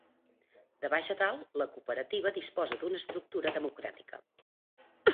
De baix a dalt, la cooperativa disposa d'una estructura democràtica.